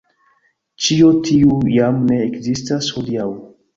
Ĉio tiu jam ne ekzistas hodiaŭ.